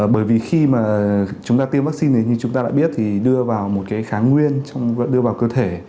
bởi vì khi mà chúng ta tiêm vaccine thì như chúng ta đã biết thì đưa vào một cái kháng nguyên đưa vào cơ thể